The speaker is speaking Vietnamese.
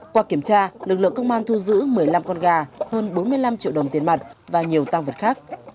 qua kiểm tra lực lượng công an thu giữ một mươi năm con gà hơn bốn mươi năm triệu đồng tiền mặt và nhiều tăng vật khác